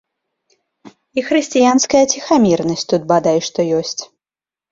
І хрысціянская ціхамірнасць тут бадай што ёсць.